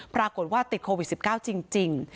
ปรากฏว่าติดโควิด๑๙จริง